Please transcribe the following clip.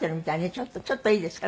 ちょっとちょっといいですか？